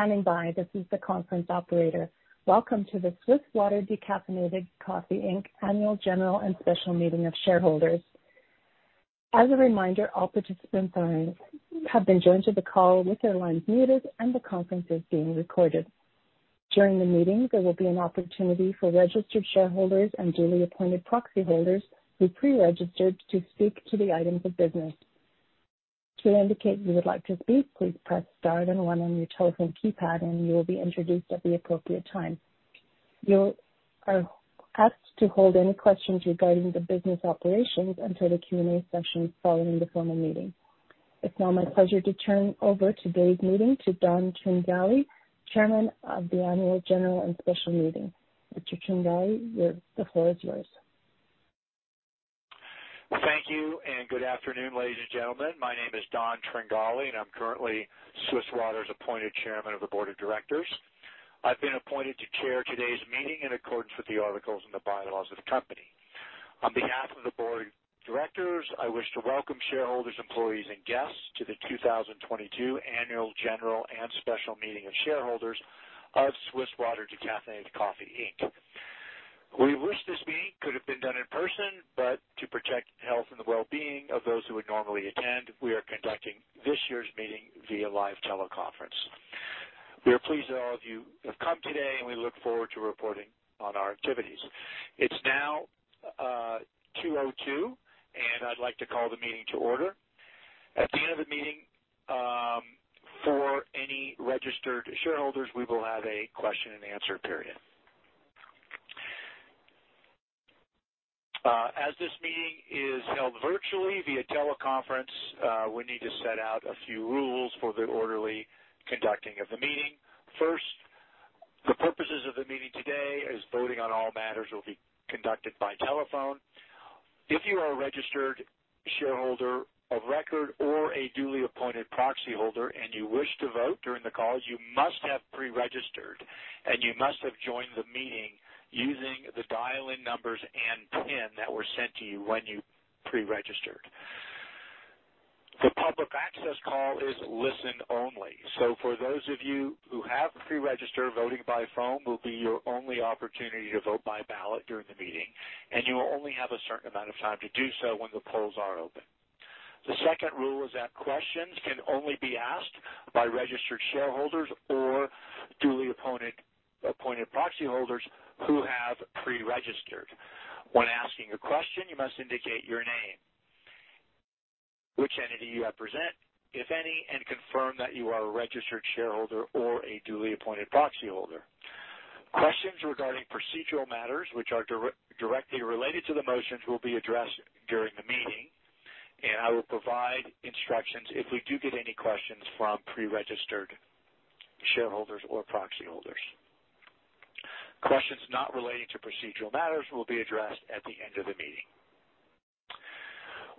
Thank you for standing by. This is the conference operator. Welcome to the Swiss Water Decaffeinated Coffee Inc. Annual General and Special Meeting of Shareholders. As a reminder, all participants have been joined to the call with their lines muted and the conference is being recorded. During the meeting, there will be an opportunity for registered shareholders and duly appointed proxy holders who pre-registered to speak to the items of business. To indicate you would like to speak, please press star then one on your telephone keypad, and you will be introduced at the appropriate time. You are asked to hold any questions regarding the business operations until the Q&A session following the formal meeting. It's now my pleasure to turn over today's meeting to Don Tringali, Chairman of the annual general and special meeting. Mr. Tringali, the floor is yours. Thank you and good afternoon, ladies and gentlemen. My name is Don Tringali, and I'm currently Swiss Water's appointed Chairman of the Board of Directors. I've been appointed to chair today's meeting in accordance with the articles in the bylaws of the company. On behalf of the Board of Directors, I wish to welcome shareholders, employees, and guests to the 2022 annual general and special meeting of shareholders of Swiss Water Decaffeinated Coffee Inc. We wish this meeting could have been done in person, but to protect the health and the well-being of those who would normally attend, we are conducting this year's meeting via live teleconference. We are pleased that all of you have come today, and we look forward to reporting on our activities. It's now 2:02 P.M., and I'd like to call the meeting to order. At the end of the meeting, for any registered shareholders, we will have a question-and-answer period. As this meeting is held virtually via teleconference, we need to set out a few rules for the orderly conducting of the meeting. First, the purposes of the meeting today is voting on all matters will be conducted by telephone. If you are a registered shareholder of record or a duly appointed proxy holder and you wish to vote during the call, you must have pre-registered, and you must have joined the meeting using the dial-in numbers and PIN that were sent to you when you pre-registered. The public access call is listen only. For those of you who have pre-registered, voting by phone will be your only opportunity to vote by ballot during the meeting, and you will only have a certain amount of time to do so when the polls are open. The second rule is that questions can only be asked by registered shareholders or duly appointed proxy holders who have pre-registered. When asking a question, you must indicate your name, which entity you represent, if any, and confirm that you are a registered shareholder or a duly appointed proxy holder. Questions regarding procedural matters which are directly related to the motions will be addressed during the meeting, and I will provide instructions if we do get any questions from pre-registered shareholders or proxy holders. Questions not relating to procedural matters will be addressed at the end of the meeting.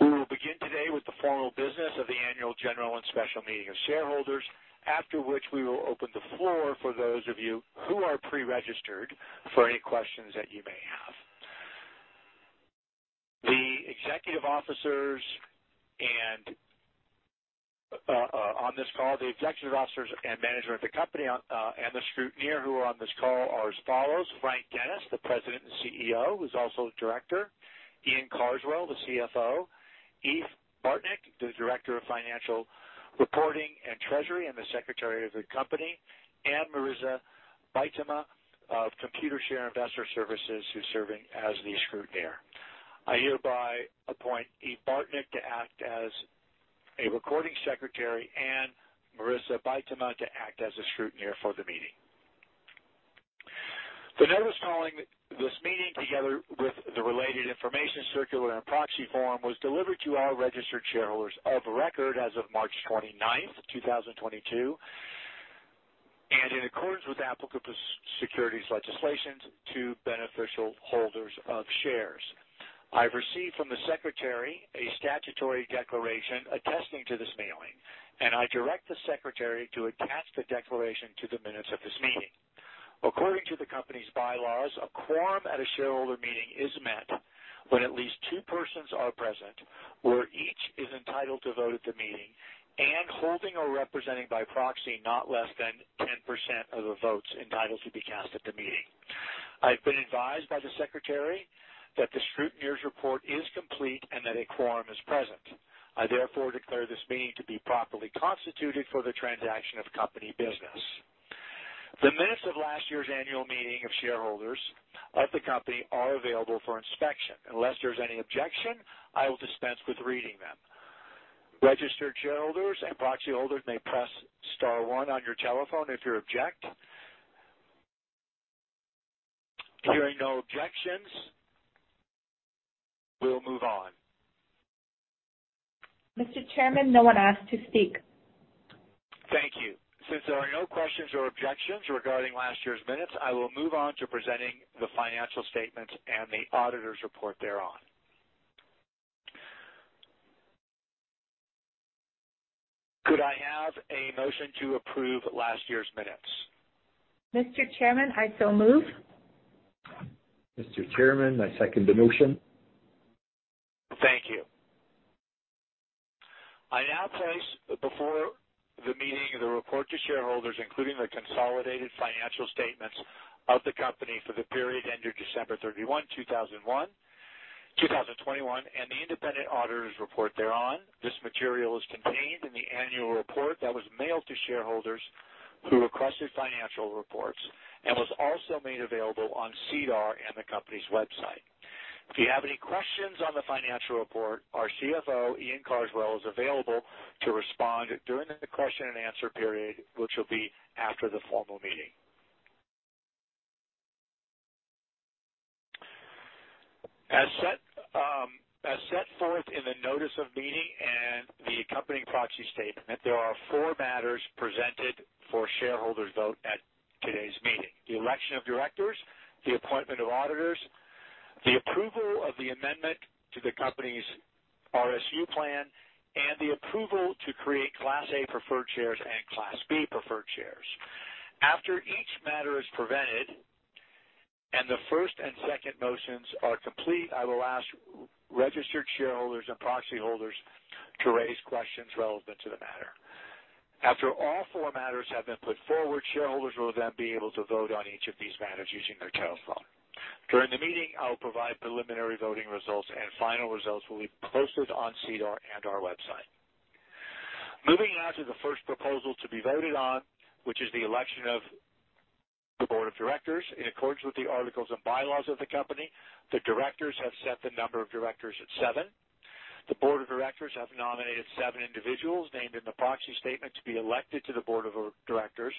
We will begin today with the formal business of the annual general and special meeting of shareholders, after which we will open the floor for those of you who are pre-registered for any questions that you may have. The executive officers and management of the company and the scrutineer who are on this call are as follows: Frank Dennis, the President and CEO, who's also Director; Iain Carswell, the CFO; Eve Bartnik, the Director of Financial Reporting and Treasury and the Secretary of the company; and Marissa Beintema of Computershare Investor Services, who's serving as the scrutineer. I hereby appoint Eve Bartnik to act as a recording secretary and Marissa Beintema to act as a scrutineer for the meeting. The notice calling this meeting, together with the related information circular and proxy form, was delivered to all registered shareholders of record as of March 29th, 2022, and in accordance with applicable securities legislations to beneficial holders of shares. I've received from the secretary a statutory declaration attesting to this mailing, and I direct the secretary to attach the declaration to the minutes of this meeting. According to the company's bylaws, a quorum at a shareholder meeting is met when at least two persons are present where each is entitled to vote at the meeting and holding or representing by proxy not less than 10% of the votes entitled to be cast at the meeting. I've been advised by the secretary that the scrutineer's report is complete and that a quorum is present. I therefore declare this meeting to be properly constituted for the transaction of company business. The minutes of last year's annual meeting of shareholders of the company are available for inspection. Unless there's any objection, I will dispense with reading them. Registered shareholders and proxy holders may press star one on your telephone if you object. Hearing no objections, we'll move on. Mr. Chairman, no one asked to speak. Thank you. Since there are no questions or objections regarding last year's minutes, I will move on to presenting the financial statements and the auditor's report thereon. Could I have a motion to approve last year's minutes? Mr. Chairman, I so move. Mr. Chairman, I second the motion. Thank you. I now place before the meeting the report to shareholders, including the consolidated financial statements of the company for the period ended December 31, 2021, and the independent auditor's report thereon. This material is contained in the annual report that was mailed to shareholders who requested financial reports and was also made available on SEDAR and the company's website. If you have any questions on the financial report, our CFO, Iain Carswell, is available to respond during the question-and-answer period, which will be after the formal meeting. As set forth in the notice of meeting and the accompanying proxy statement, there are four matters presented for shareholders vote at today's meeting. The election of directors, the appointment of auditors, the approval of the amendment to the company's RSU plan, and the approval to create Class A preferred shares and Class B preferred shares. After each matter is presented and the first and second motions are complete, I will ask registered shareholders and proxy holders to raise questions relevant to the matter. After all four matters have been put forward, shareholders will then be able to vote on each of these matters using their telephone. During the meeting, I will provide preliminary voting results, and final results will be posted on SEDAR and our website. Moving now to the first proposal to be voted on, which is the election of the board of directors. In accordance with the articles and bylaws of the company, the directors have set the number of directors at seven. The board of directors have nominated seven individuals named in the proxy statement to be elected to the board of directors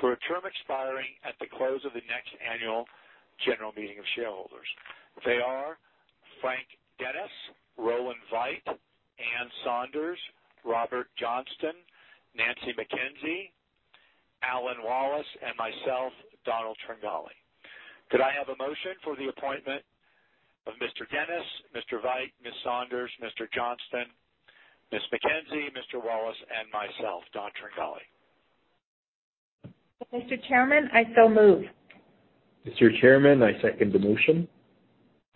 for a term expiring at the close of the next annual general meeting of shareholders. They are Frank Dennis, Roland Veit, Anne Saunders, Robert Johnston, Nancy McKenzie, Alan Wallace, and myself, Donald Tringali. Could I have a motion for the appointment of Mr. Dennis, Mr. Veit, Ms. Saunders, Mr. Johnston, Ms. McKenzie, Mr. Wallace, and myself, Don Tringali? Mr. Chairman, I so move. Mr. Chairman, I second the motion.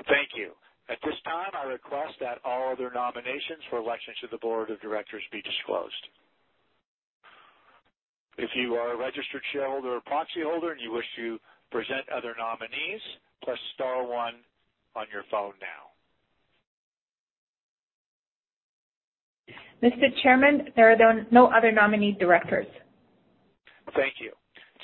Thank you. At this time, I request that all other nominations for election to the board of directors be disclosed. If you are a registered shareholder or proxy holder and you wish to present other nominees, press star one on your phone now. Mr. Chairman, there are no other nominee directors. Thank you.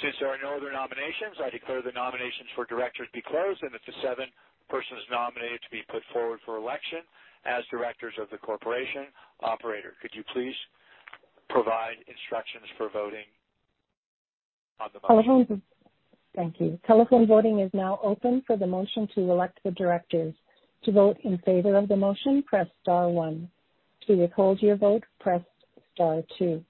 Since there are no other nominations, I declare the nominations for directors be closed and that the seven persons nominated to be put forward for election as directors of the corporation. Operator, could you please provide instructions for voting on the motion? Thank you. Telephone voting is now open for the motion to elect the directors. To vote in favor of the motion, press star one. To withhold your vote, press star two.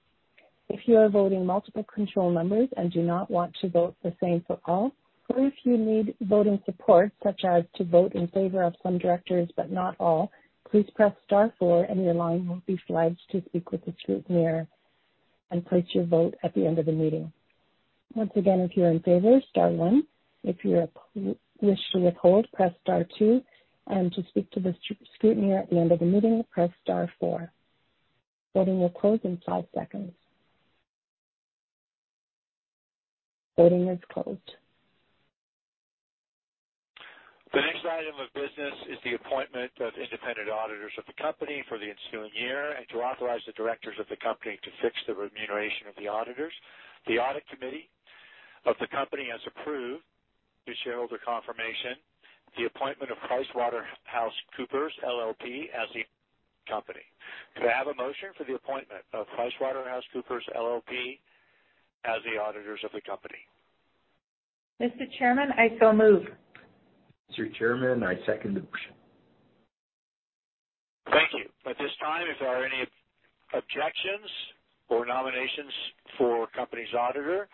If you are voting multiple control numbers and do not want to vote the same for all, or if you need voting support, such as to vote in favor of some directors but not all, please press star four and your line will be flagged to speak with the scrutineer and place your vote at the end of the meeting. Once again, if you're in favor, star one. If you're wish to withhold, press star two. To speak to the scrutineer at the end of the meeting, press star four. Voting will close in five seconds. Voting is closed. The next item of business is the appointment of independent auditors of the company for the ensuing year and to authorize the directors of the company to fix the remuneration of the auditors. The audit committee of the company has approved, to shareholder confirmation, the appointment of PricewaterhouseCoopers LLP as the auditors of the company. Could I have a motion for the appointment of PricewaterhouseCoopers LLP as the auditors of the company? Mr. Chairman, I so move. Mr. Chairman, I second the motion. Thank you. At this time, if there are any objections or nominations for company's auditor,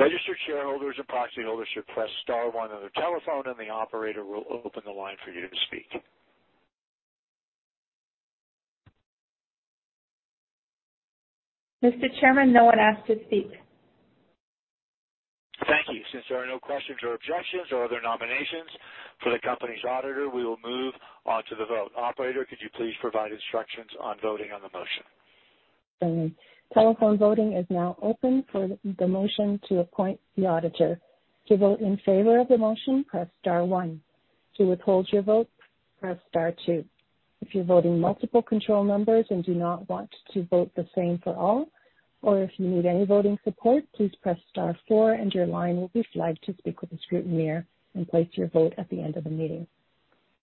registered shareholders and proxy holders should press star one on their telephone, and the operator will open the line for you to speak. Mr. Chairman, no one asked to speak. Thank you. Since there are no questions or objections or other nominations for the company's auditor, we will move on to the vote. Operator, could you please provide instructions on voting on the motion? Certainly. Telephone voting is now open for the motion to appoint the auditor. To vote in favor of the motion, press star one. To withhold your vote, press star two. If you're voting multiple control numbers and do not want to vote the same for all, or if you need any voting support, please press star four and your line will be flagged to speak with the scrutineer and place your vote at the end of the meeting.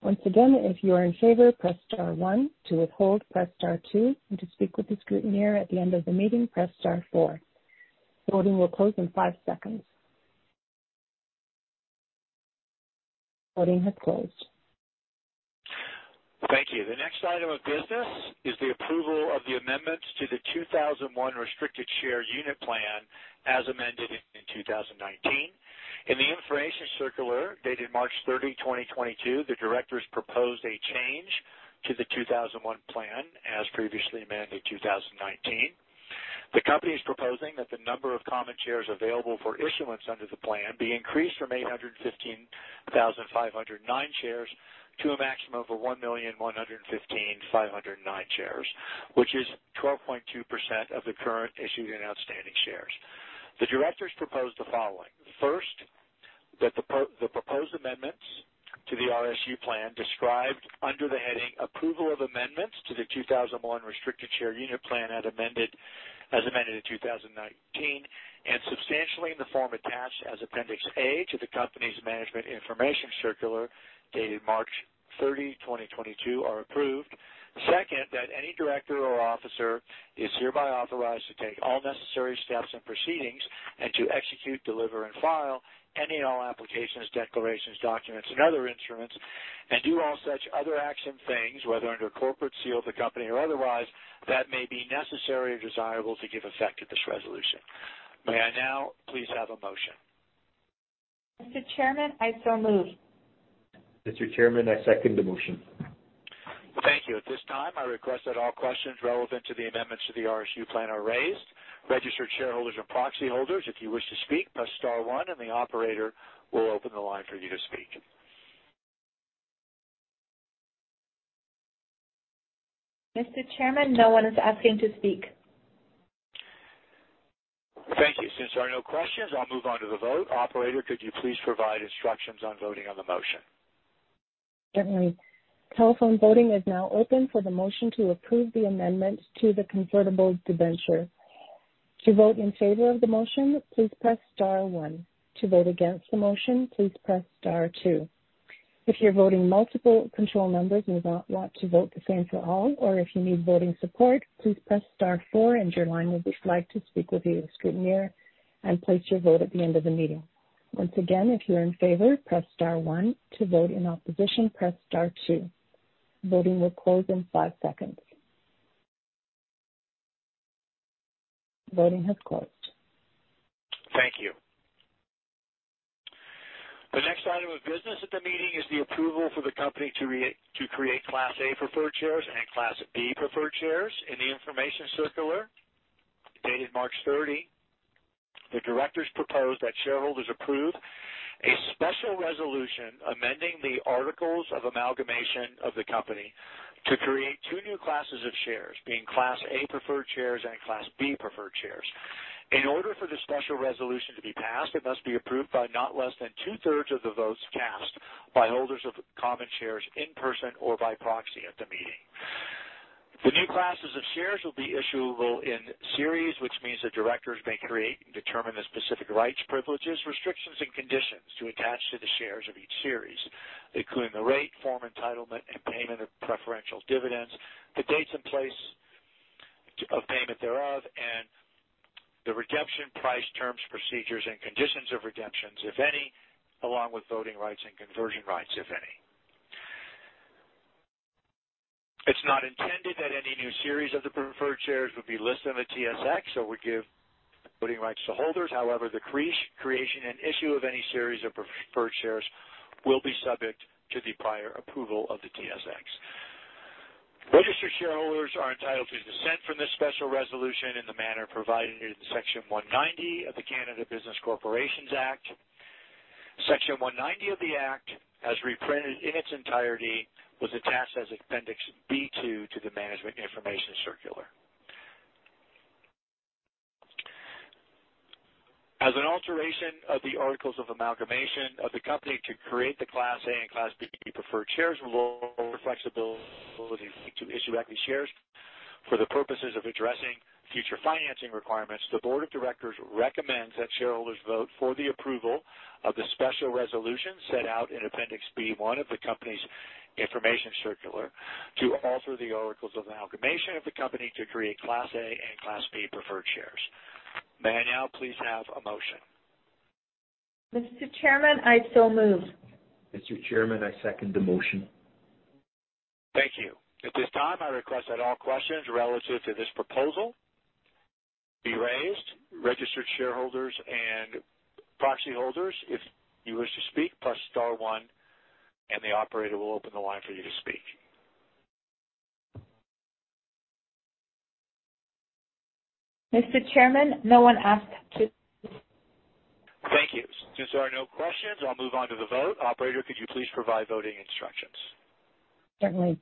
Once again, if you are in favor, press star one. To withhold, press star two. To speak with the scrutineer at the end of the meeting, press star four. Voting will close in five seconds. Voting has closed. Thank you. The next item of business is the approval of the amendments to the 2001 restricted share unit plan as amended in 2019. In the information circular dated March 30, 2022, the directors proposed a change to the 2001 plan as previously amended 2019. The company is proposing that the number of common shares available for issuance under the plan be increased from 815,509 shares to a maximum of 1,115,509 shares, which is 12.2% of the current issued and outstanding shares. The directors propose the following. First, that the proposed amendments to the RSU plan described under the heading Approval of Amendments to the 2001 Restricted Share Unit Plan, as amended in 2019, and substantially in the form attached as Appendix A to the company's Management Information Circular dated March 30, 2022, are approved. Second, that any director or officer is hereby authorized to take all necessary steps and proceedings and to execute, deliver and file any and all applications, declarations, documents and other instruments and do all such other acts and things, whether under corporate seal of the company or otherwise, that may be necessary or desirable to give effect to this resolution. May I now please have a motion. Mr. Chairman, I so move. Mr. Chairman, I second the motion. Thank you. At this time, I request that all questions relevant to the amendments to the RSU plan are raised. Registered shareholders or proxy holders, if you wish to speak, press star one and the operator will open the line for you to speak. Mr. Chairman, no one is asking to speak. Thank you. Since there are no questions, I'll move on to the vote. Operator, could you please provide instructions on voting on the motion? Certainly. Telephone voting is now open for the motion to approve the amendments to the convertible debenture. To vote in favor of the motion, please press star one. To vote against the motion, please press star two. If you're voting multiple control numbers and do not want to vote the same for all, or if you need voting support, please press star four and your line will be flagged to speak with the scrutineer and place your vote at the end of the meeting. Once again, if you're in favor, press star one. To vote in opposition, press star two. Voting will close in five seconds. Voting has closed. Thank you. The next item of business at the meeting is the approval for the company to create Class A preferred shares and Class B preferred shares. In the information circular dated March 30, the directors propose that shareholders approve a special resolution amending the articles of amalgamation of the company to create two new classes of shares, being Class A preferred shares and Class B preferred shares. In order for the special resolution to be passed, it must be approved by not less than two-thirds of the votes cast by holders of common shares in person or by proxy at the meeting. The new classes of shares will be issuable in series, which means the directors may create and determine the specific rights, privileges, restrictions and conditions to attach to the shares of each series, including the rate, form, entitlement and payment of preferential dividends, the dates and place of payment thereof, and the redemption price, terms, procedures and conditions of redemptions, if any, along with voting rights and conversion rights, if any. It's not intended that any new series of the preferred shares would be listed on the TSX or would give voting rights to holders. However, the creation and issue of any series of preferred shares will be subject to the prior approval of the TSX. Registered shareholders are entitled to dissent from this special resolution in the manner provided in Section 190 of the Canada Business Corporations Act. Section 190 of the Act, as reprinted in its entirety, was attached as Appendix B2 to the Management Information Circular. As an alteration of the articles of amalgamation of the company to create the Class A and Class B preferred shares will allow more flexibility to issue equity shares. For the purposes of addressing future financing requirements, the board of directors recommends that shareholders vote for the approval of the special resolution set out in Appendix B1 of the company's information circular to alter the articles of amalgamation of the company to create Class A and Class B preferred shares. May I now please have a motion. Mr. Chairman, I so move. Mr. Chairman, I second the motion. Thank you. At this time, I request that all questions relative to this proposal be raised. Registered shareholders and proxy holders, if you wish to speak, press star one and the operator will open the line for you to speak. Mr. Chairman, no one asked to. Thank you. Since there are no questions, I'll move on to the vote. Operator, could you please provide voting instructions? Certainly.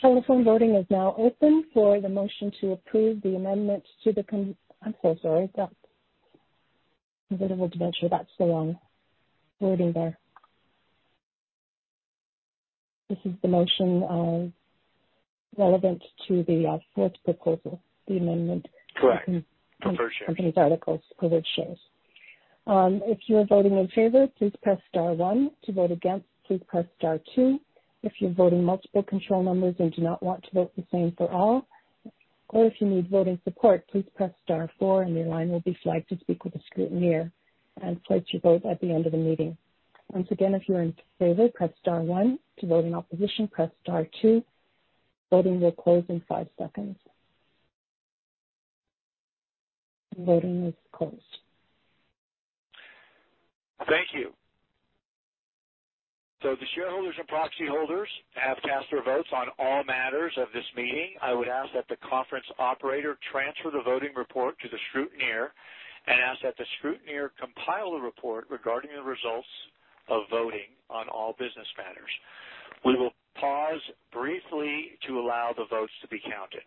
Telephone voting is now open for the motion to approve the amendments. I'm so sorry. That convertible debenture. That's the wrong wording there. This is the motion relevant to the fourth proposal. Correct. Preferred shares. The amendment to the company's articles for the shares. If you are voting in favor, please press star one. To vote against, please press star two. If you're voting multiple control numbers and do not want to vote the same for all, or if you need voting support, please press star four and your line will be flagged to speak with a scrutineer and place your vote at the end of the meeting. Once again, if you're in favor, press star one. To vote in opposition, press star two. Voting will close in five seconds. Voting is closed. Thank you. So, the shareholders and proxy holders have cast their votes on all matters of this meeting. I would ask that the conference operator transfer the voting report to the scrutineer and ask that the scrutineer compile a report regarding the results of voting on all business matters. We will pause briefly to allow the votes to be counted.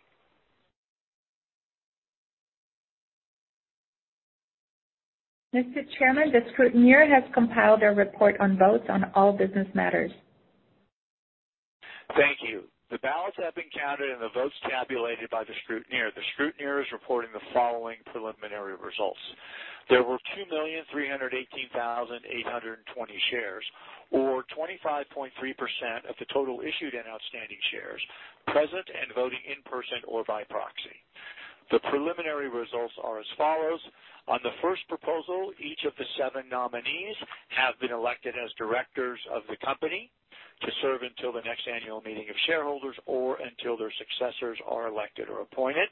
Mr. Chairman, the scrutineer has compiled a report on votes on all business matters. Thank you. The ballots have been counted and the votes tabulated by the scrutineer. The scrutineer is reporting the following preliminary results. There were 2,318,820 shares, or 25.3% of the total issued and outstanding shares present and voting in person or by proxy. The preliminary results are as follows. On the first proposal, each of the seven nominees have been elected as directors of the company to serve until the next annual meeting of shareholders or until their successors are elected or appointed.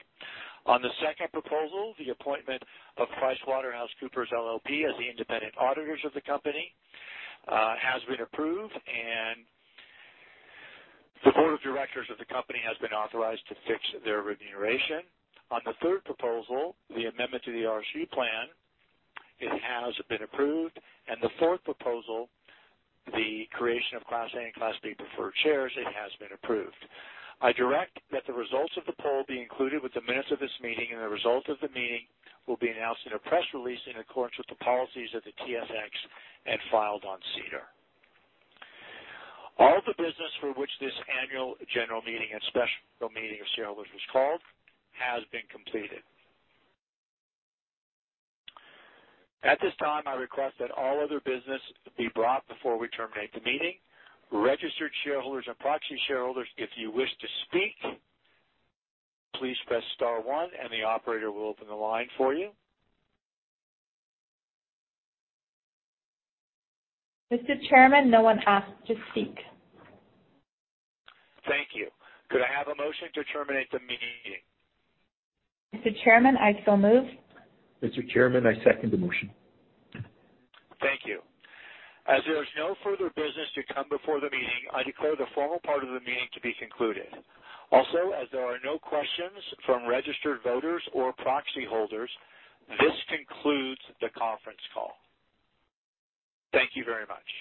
On the second proposal, the appointment of PricewaterhouseCoopers LLP as the independent auditors of the company has been approved, and the board of directors of the company has been authorized to fix their remuneration. On the third proposal, the amendment to the RSU plan, it has been approved. The fourth proposal, the creation of Class A and Class B preferred shares, it has been approved. I direct that the results of the poll be included with the minutes of this meeting, and the results of the meeting will be announced in a press release in accordance with the policies of the TSX and filed on SEDAR. All the business for which this annual general meeting and special meeting of shareholders was called has been completed. At this time, I request that all other business be brought before we terminate the meeting. Registered shareholders and proxy shareholders, if you wish to speak, please press star one and the operator will open the line for you. Mr. Chairman, no one asked to speak. Thank you. Could I have a motion to terminate the meeting? Mr. Chairman, I so move. Mr. Chairman, I second the motion. Thank you. As there is no further business to come before the meeting, I declare the formal part of the meeting to be concluded. Also, as there are no questions from registered voters or proxy holders, this concludes the conference call. Thank you very much.